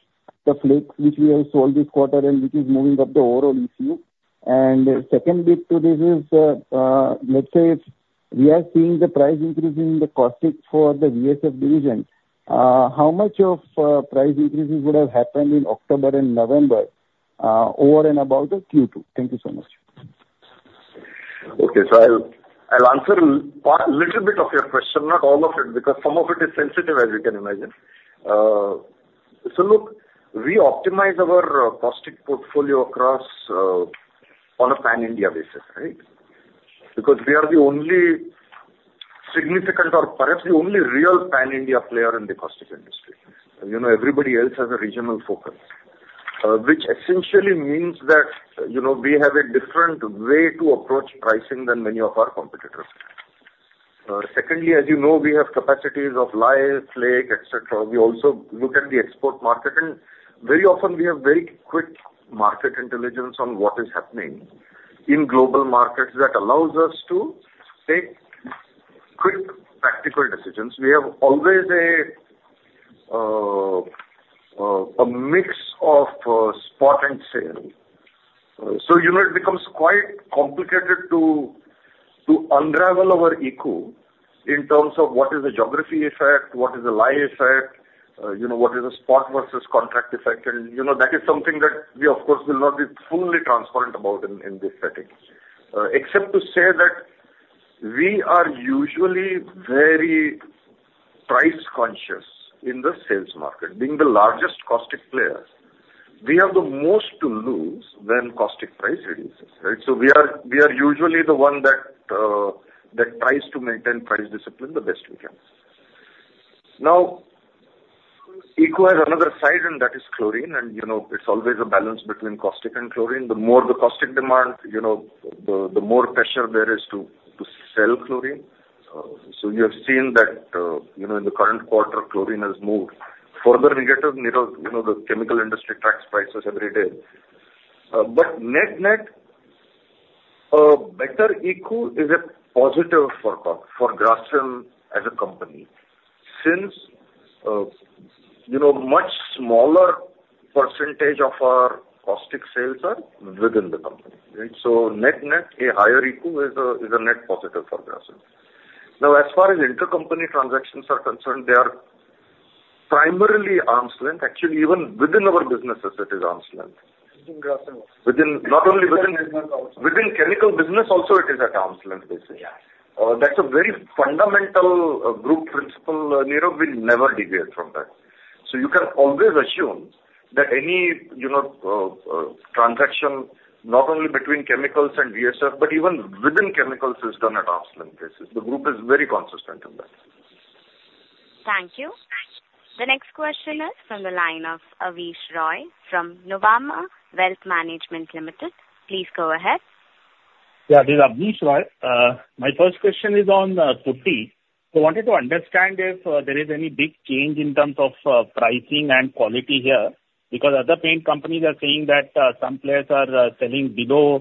the flakes which we have sold this quarter and which is moving up the overall ECU? And the second bit to this is, let's say we are seeing the price increase in the caustic for the VSF division. How much of price increases would have happened in October and November over and about Q2? Thank you so much. Okay. So I'll answer a little bit of your question, not all of it, because some of it is sensitive, as you can imagine. So look, we optimize our caustic portfolio across on a pan-India basis, right? Because we are the only significant or perhaps the only real pan-India player in the caustic industry. Everybody else has a regional focus, which essentially means that we have a different way to approach pricing than many of our competitors. Secondly, as you know, we have capacities of lye, flake, etc. We also look at the export market, and very often we have very quick market intelligence on what is happening in global markets that allows us to take quick practical decisions. We have always a mix of spot and sales. So it becomes quite complicated to unravel our ECU in terms of what is the geography effect, what is the lye effect, what is the spot versus contract effect. And that is something that we, of course, will not be fully transparent about in this setting, except to say that we are usually very price conscious in the sales market. Being the largest caustic player, we have the most to lose when caustic price reduces, right? So we are usually the one that tries to maintain price discipline the best we can. Now, ECU has another side, and that is chlorine, and it's always a balance between caustic and chlorine. The more the caustic demand, the more pressure there is to sell chlorine. So you have seen that in the current quarter, chlorine has moved further negative. The chemical industry tracks prices every day. But net net, a better ECU is a positive for Grasim as a company since a much smaller percentage of our caustic sales are within the company, right? So net net, a higher ECU is a net positive for Grasim. Now, as far as intercompany transactions are concerned, they are primarily arm's length. Actually, even within our businesses, it is arm's length. Not only within chemical business, also it is at arm's length, basically. That's a very fundamental group principle, Meera. We never deviate from that. So you can always assume that any transaction, not only between chemicals and VSF, but even within chemicals, is done at arm's length basis. The group is very consistent in that. Thank you. The next question is from the line of Abneesh Roy from Nuvama Wealth Management Limited. Please go ahead. Yeah, this is Abneesh Roy. My first question is on putty. So I wanted to understand if there is any big change in terms of pricing and quality here because other paint companies are saying that some players are selling below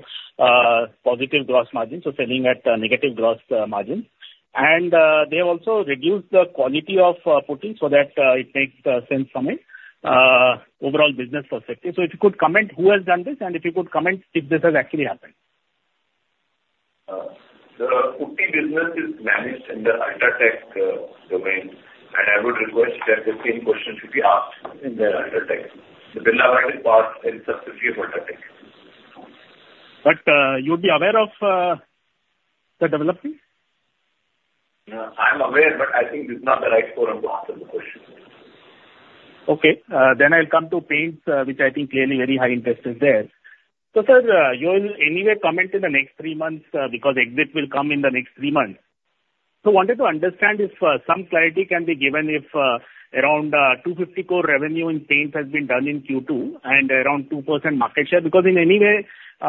positive gross margins, so selling at negative gross margins. And they have also reduced the quality of putty so that it makes sense from an overall business perspective. So if you could comment who has done this, and if you could comment if this has actually happened. The putty business is managed in the UltraTech domain, and I would request that the same question should be asked in the UltraTech. The Birla White part is subsidiary of UltraTech. But you would be aware of the development? I'm aware, but I think this is not the right forum to answer the question. Okay. Then I'll come to paints, which I think clearly very high interest is there. So sir, you will anyway comment in the next three months because exit will come in the next three months. So I wanted to understand if some clarity can be given if around 250 crore revenue in paint has been done in Q2 and around 2% market share because in any way,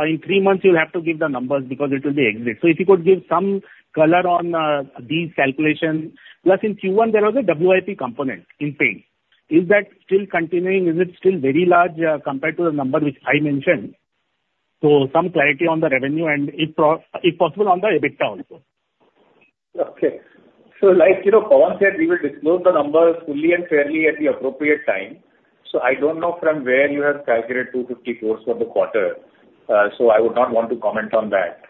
in three months, you'll have to give the numbers because it will be exit. So if you could give some color on these calculations. Plus, in Q1, there was a WIP component in paint. Is that still continuing? Is it still very large compared to the number which I mentioned? So some clarity on the revenue and, if possible, on the EBITDA also. Okay. So like Pavan said, we will disclose the numbers fully and fairly at the appropriate time. So I don't know from where you have calculated 250 crore for the quarter. So I would not want to comment on that.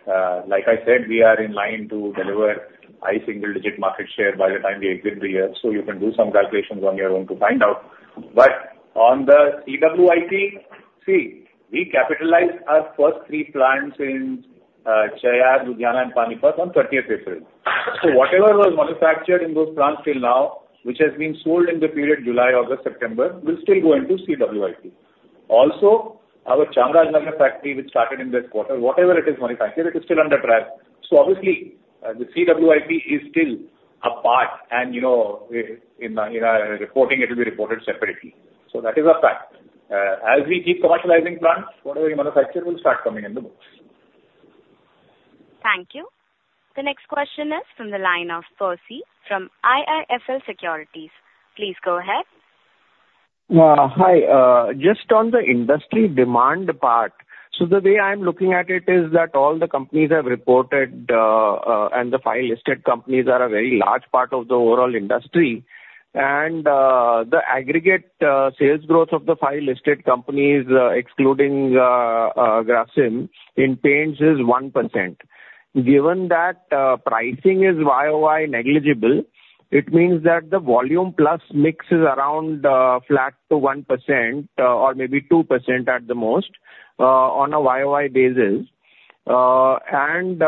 Like I said, we are in line to deliver high single-digit market share by the time we exit the year. So you can do some calculations on your own to find out. But on the CWIP, see, we capitalized our first three plants in Cheyyar, Ludhiana, and Panipat on 30th April. So whatever was manufactured in those plants till now, which has been sold in the period July, August, September, will still go into CWIP. Also, our Chamarajanagar factory, which started in this quarter, whatever it is manufactured, it is still under trial. So obviously, the CWIP is still a part, and in our reporting, it will be reported separately. So that is a fact. As we keep commercializing plants, whatever you manufacture will start coming in the books. Thank you. The next question is from the line of Percy from IIFL Securities. Please go ahead. Hi. Just on the industry demand part, so the way I'm looking at it is that all the companies have reported, and the five listed companies are a very large part of the overall industry. And the aggregate sales growth of the five listed companies, excluding Grasim, in paints is 1%. Given that pricing is YOY negligible, it means that the volume plus mix is around flat to 1% or maybe 2% at the most on a YOY basis. And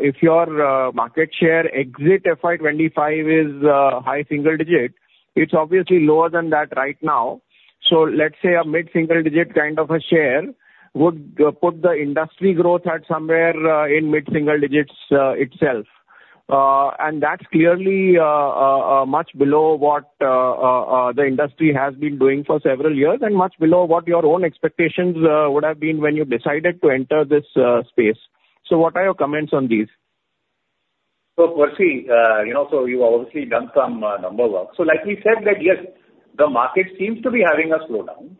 if your market share exit FY25 is high single digit, it's obviously lower than that right now. So let's say a mid-single digit kind of a share would put the industry growth at somewhere in mid-single digits itself. And that's clearly much below what the industry has been doing for several years and much below what your own expectations would have been when you decided to enter this space. So what are your comments on these? So Percy, so you've obviously done some number work. So like we said, yes, the market seems to be having a slowdown.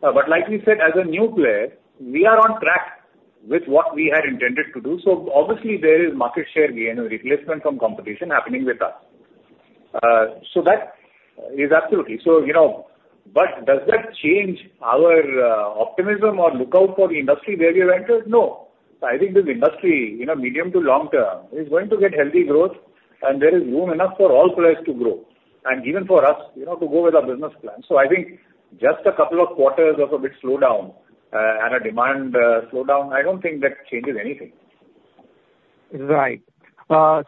But like we said, as a new player, we are on track with what we had intended to do. So obviously, there is market share gain and replacement from competition happening with us. So that is absolutely. But does that change our optimism or outlook for the industry where we have entered? No. I think this industry, medium to long term, is going to get healthy growth, and there is room enough for all players to grow, and even for us to go with our business plan. So I think just a couple of quarters of a bit slowdown and a demand slowdown, I don't think that changes anything. Right.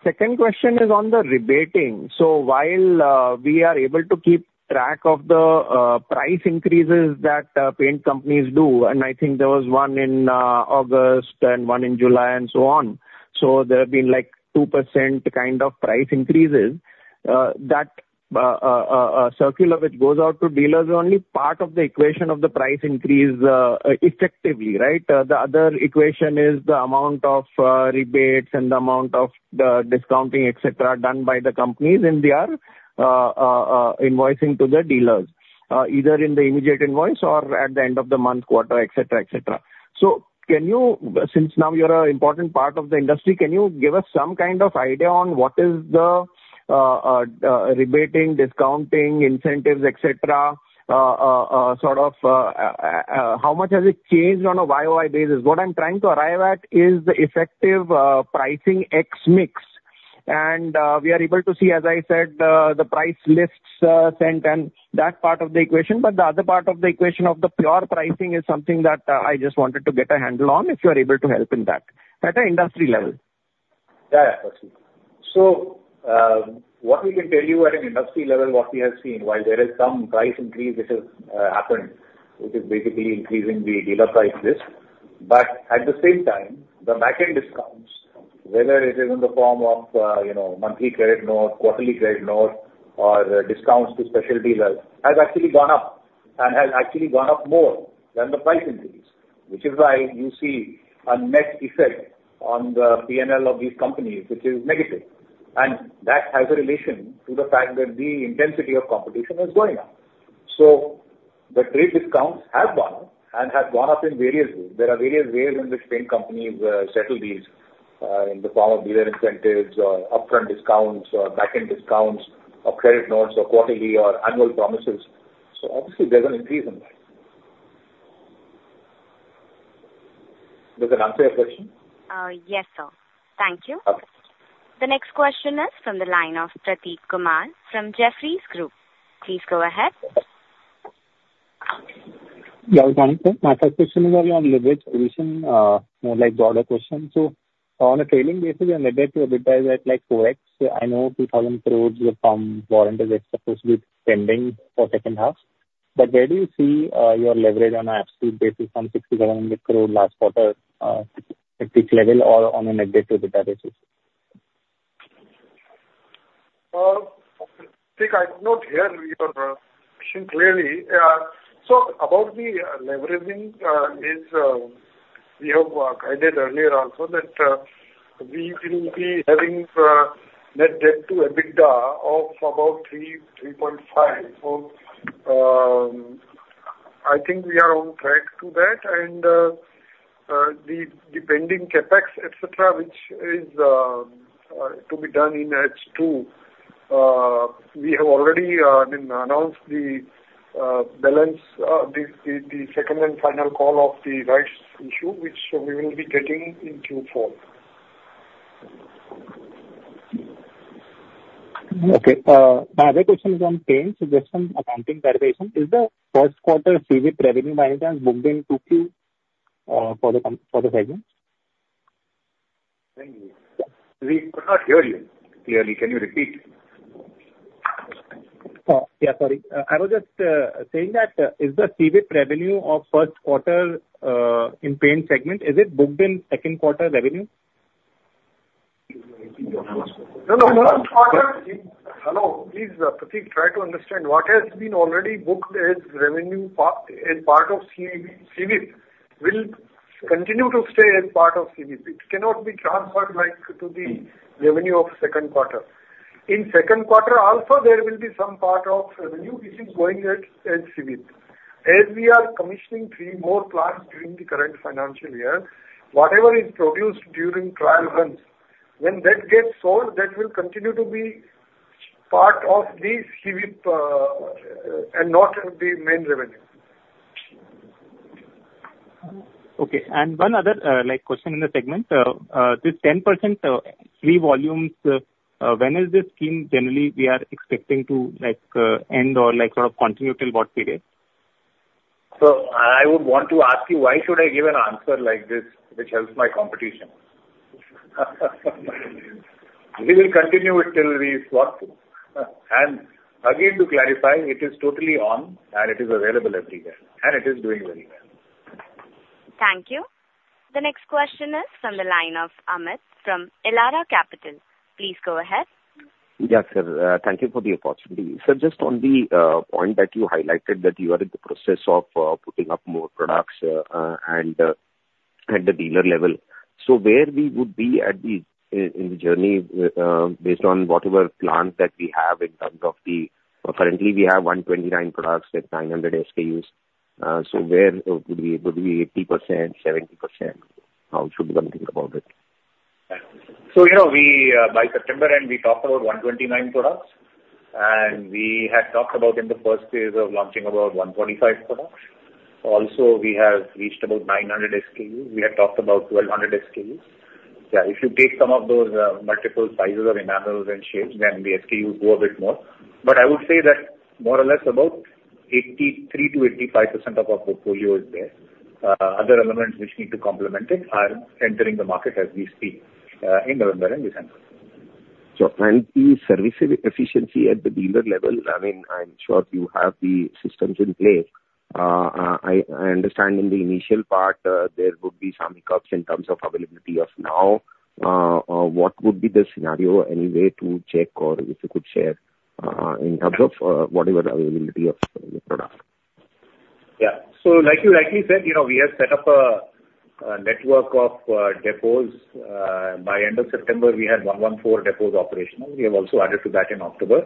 Second question is on the rebating. So while we are able to keep track of the price increases that paint companies do, and I think there was one in August and one in July and so on. So there have been like 2% kind of price increases. That circular, which goes out to dealers, is only part of the equation of the price increase effectively, right? The other equation is the amount of rebates and the amount of discounting, etc., done by the companies and they are invoicing to the dealers, either in the immediate invoice or at the end of the month, quarter, etc., etc. So since now you're an important part of the industry, can you give us some kind of idea on what is the rebating, discounting, incentives, etc., sort of how much has it changed on a YOY basis? What I'm trying to arrive at is the effective pricing and mix, and we are able to see, as I said, the price lists sent and that part of the equation. But the other part of the equation of the pure pricing is something that I just wanted to get a handle on if you are able to help in that at an industry level. Yeah, yeah, Percy. So what we can tell you at an industry level, what we have seen, while there is some price increase which has happened, which is basically increasing the dealer price list. But at the same time, the backend discounts, whether it is in the form of monthly credit note, quarterly credit note, or discounts to special dealers, have actually gone up and have actually gone up more than the price increase, which is why you see a net effect on the P&L of these companies, which is negative. And that has a relation to the fact that the intensity of competition is going up. So the trade discounts have gone up and have gone up in various ways. There are various ways in which paint companies settle these in the form of dealer incentives or upfront discounts or backend discounts or credit notes or quarterly or annual promises. So obviously, there's an increase in that. Does it answer your question? Yes, sir. Thank you. The next question is from the line of Prateek Kumar from Jefferies Group. Please go ahead. Yeah, good morning, sir. My first question is on leverage revision, more like broader question. So on a trailing basis, I'm at net debt to EBITDA at like 4X. I know 2,000 crores of working capital is supposed to be pending for second half. But where do you see your leverage on an absolute basis on 6,700 crore last quarter at this level or on a net debt basis? I think I did not hear your question clearly. So about the leveraging, we have guided earlier also that we will be having net debt to EBITDA of about 3.5. So I think we are on track to that. And the pending CapEx, etc., which is to be done in H2, we have already announced the balance, the second and final call of the rights issue, which we will be getting in Q4. Okay. My other question is on paints, just some accounting clarification. Is the first quarter CV revenue management booked in Q2 for the segments? We could not hear you clearly. Can you repeat? Yeah, sorry. I was just saying that is the CV revenue of first quarter in paint segment, is it booked in second quarter revenue? No, no, no. Hello, please, Prateek, try to understand. What has been already booked as revenue part of CV will continue to stay as part of CV. It cannot be transferred to the revenue of second quarter. In second quarter also, there will be some part of revenue which is going at CV. As we are commissioning three more plants during the current financial year, whatever is produced during trial runs, when that gets sold, that will continue to be part of the CV and not the main revenue. Okay. And one other question in the segment. This 10% free volumes, when is this scheme generally we are expecting to end or sort of continue till what period? So I would want to ask you, why should I give an answer like this which helps my competition? We will continue it till we swap to. And again, to clarify, it is totally on and it is available everywhere. It is doing very well. Thank you. The next question is from the line of Amit from Elara Capital. Please go ahead. Yes, sir. Thank you for the opportunity. Just on the point that you highlighted that you are in the process of putting up more products at the dealer level. So where would we be in the journey based on whatever plans that we have? In terms of, currently, we have 129 products with 900 SKUs. So where would we be? Would we be 80%, 70%? How should we think about it? By September, we talked about 129 products. We had talked about in the first phase of launching about 125 products. Also, we have reached about 900 SKUs. We had talked about 1,200 SKUs. Yeah, if you take some of those multiple sizes of enamels and shapes, then the SKUs go a bit more. But I would say that more or less about 83%-85% of our portfolio is there. Other elements which need to complement it are entering the market as we speak in November and December. So and the services efficiency at the dealer level, I mean, I'm sure you have the systems in place. I understand in the initial part, there would be some hiccups in terms of availability of now. What would be the scenario anyway to check or if you could share in terms of whatever availability of the product? Yeah. So like you rightly said, we have set up a network of depots. By end of September, we had 114 depots operational. We have also added to that in October.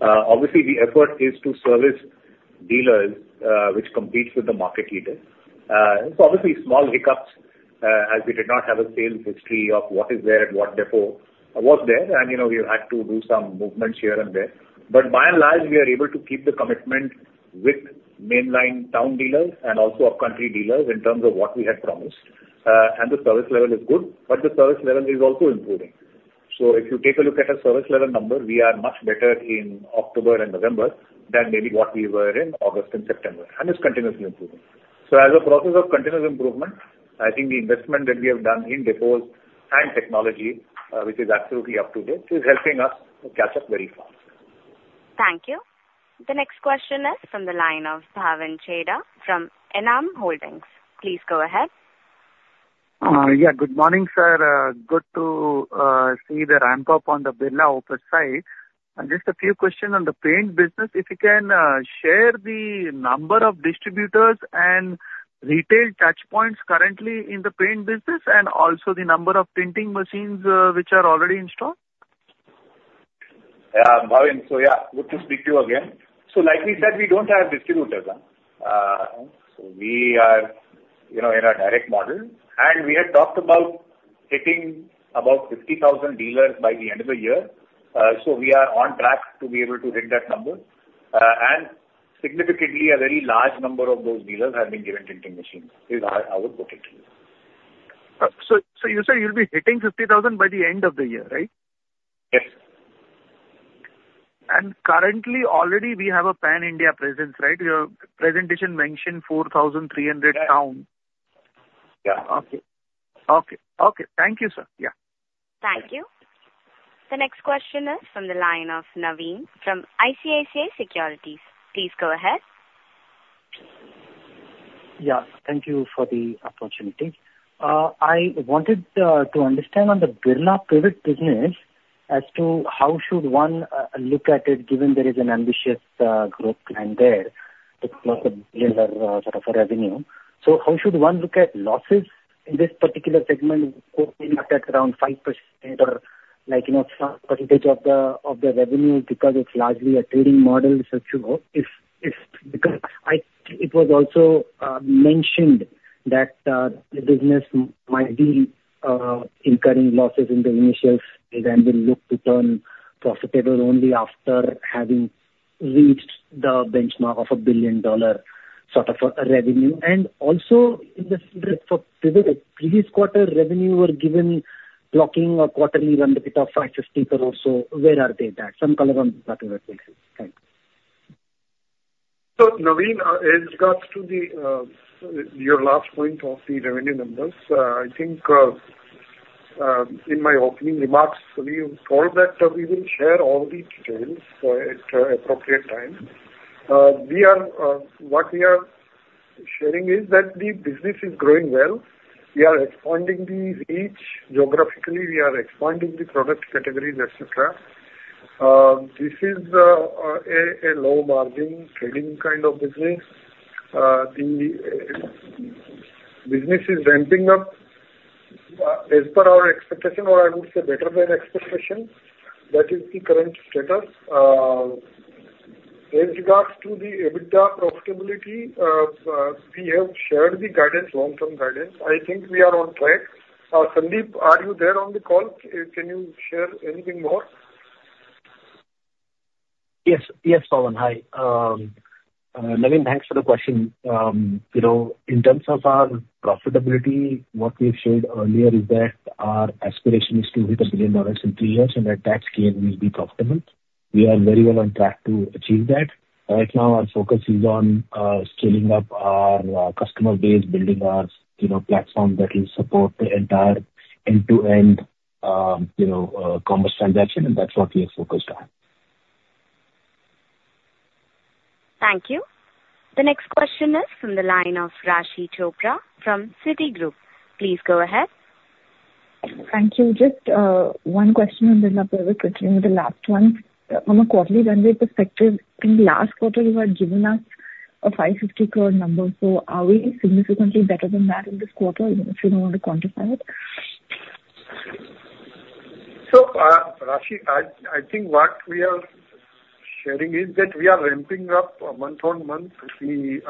Obviously, the effort is to service dealers which competes with the market leaders. It's obviously small hiccups as we did not have a sales history of what is there at what depot was there. And we had to do some movements here and there. But by and large, we are able to keep the commitment with mainline town dealers and also upcountry dealers in terms of what we had promised. And the service level is good, but the service level is also improving. So if you take a look at our service level number, we are much better in October and November than maybe what we were in August and September. And it's continuously improving. So as a process of continuous improvement, I think the investment that we have done in depots and technology, which is absolutely up to date, is helping us catch up very fast. Thank you. The next question is from the line of Bhavin Chheda from Enam Holdings. Please go ahead. Yeah, good morning, sir. Good to see the ramp-up on the Birla Opus side. Just a few questions on the paint business. If you can share the number of distributors and retail touchpoints currently in the paint business and also the number of tinting machines which are already installed? Yeah, Pavan, so yeah, good to speak to you again. So like we said, we don't have distributors. So we are in a direct model. And we had talked about hitting about 50,000 dealers by the end of the year. So we are on track to be able to hit that number. And significantly, a very large number of those dealers have been given tinting machines. I would put it to you. So you said you'll be hitting 50,000 by the end of the year, right? Yes. And currently, already, we have a pan-India presence, right? Your presentation mentioned 4,300 towns. Yeah. Okay. Okay. Okay. Thank you, sir. Yeah. Thank you. The next question is from the line of Naveen from ICICI Securities. Please go ahead. Yeah. Thank you for the opportunity. I wanted to understand on the Birla Pivot business as to how should one look at it given there is an ambitious growth plan there to close the dealer sort of revenue. So how should one look at losses in this particular segment? We looked at around 5% or some percentage of the revenue because it's largely a trading model, so if it was also mentioned that the business might be incurring losses in the initial phase and will look to turn profitable only after having reached the benchmark of a billion-dollar sort of revenue. And also in the previous quarter, revenues were given blocking a quarterly run to pick up 550 crore or so. Where are they at? Some color on that, please. Thanks. So Naveen, in regards to your last point of the revenue numbers, I think in my opening remarks, we have told that we will share all the details at appropriate time. What we are sharing is that the business is growing well. We are expanding the reach geographically. We are expanding the product categories, etc. This is a low-margin trading kind of business. The business is ramping up as per our expectation, or I would say better than expectation. That is the current status. In regards to the EBITDA profitability, we have shared the long-term guidance. I think we are on track. Sandeep, are you there on the call? Can you share anything more? Yes. Yes, Bhavin. Hi. Naveen, thanks for the question. In terms of our profitability, what we have shared earlier is that our aspiration is to hit $1 billion in three years, and at that scale, we will be profitable. We are very well on track to achieve that. Right now, our focus is on scaling up our customer base, building our platform that will support the entire end-to-end commerce transaction. And that's what we are focused on. Thank you. The next question is from the line of Raashi Chopra from Citigroup. Please go ahead. Thank you. Just one question on Birla Pivot, continuing with the last one. From a quarterly runway perspective, in the last quarter, you had given us a 550 crore number. So are we significantly better than that in this quarter if you don't want to quantify it? So Raashi, I think what we are sharing is that we are ramping up month on month. The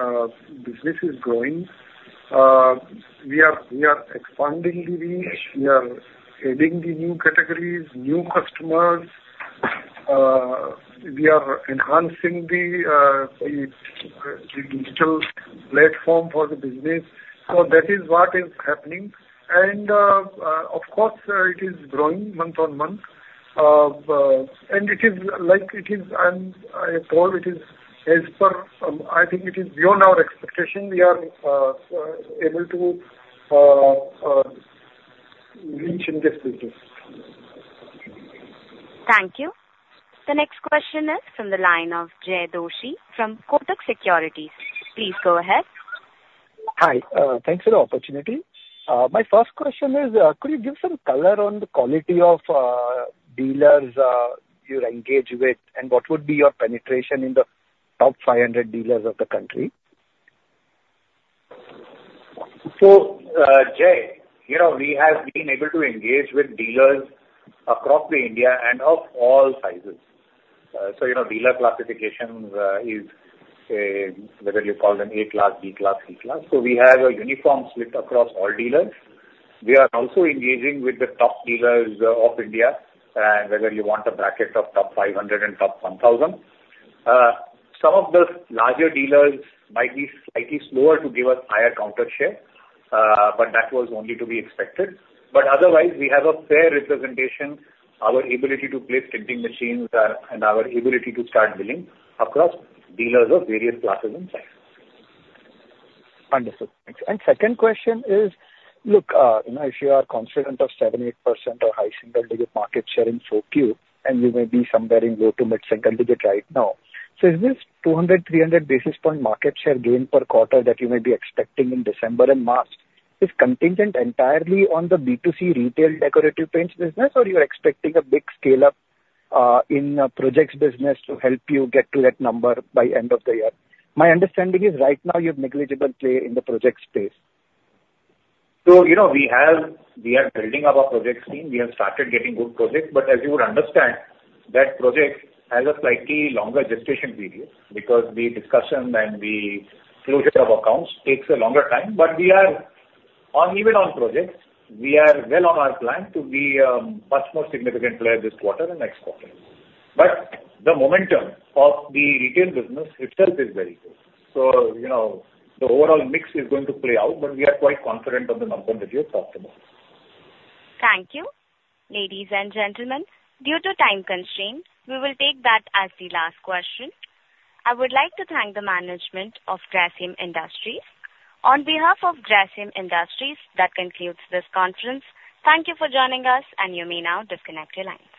business is growing. We are expanding the reach. We are adding the new categories, new customers. We are enhancing the digital platform for the business. So that is what is happening. And of course, it is growing month on month. And it is like it is, and I told it is as per I think it is beyond our expectation. We are able to reach in this business. Thank you. The next question is from the line of Jay Doshi from Kotak Securities. Please go ahead. Hi. Thanks for the opportunity. My first question is, could you give some color on the quality of dealers you engage with, and what would be your penetration in the top 500 dealers of the country? So Jay, we have been able to engage with dealers across India and of all sizes. So dealer classification is whether you call them A-class, B-class, C-class. So we have a uniform split across all dealers. We are also engaging with the top dealers of India, whether you want a bracket of top 500 and top 1,000. Some of the larger dealers might be slightly slower to give us higher counter space, but that was only to be expected. But otherwise, we have a fair representation, our ability to place tinting machines, and our ability to start billing across dealers of various classes and sizes. Wonderful. Thanks. Second question is, look, if you are a competitor of 78% or high single-digit market share in 4Q, and you may be somewhere in low to mid-single digit right now, so is this 200-300 basis points market share gain per quarter that you may be expecting in December and March contingent entirely on the B2C retail decorative paints business, or you're expecting a big scale-up in projects business to help you get to that number by end of the year? My understanding is right now you have negligible play in the project space. We are building up our project team. We have started getting good projects. As you would understand, that project has a slightly longer gestation period because the discussion and the closure of accounts takes a longer time. But even on projects, we are well on our plan to be a much more significant player this quarter and next quarter. But the momentum of the retail business itself is very good. So the overall mix is going to play out, but we are quite confident of the number that we have talked about. Thank you. Ladies and gentlemen, due to time constraints, we will take that as the last question. I would like to thank the management of Grasim Industries. On behalf of Grasim Industries, that concludes this conference. Thank you for joining us, and you may now disconnect your lines.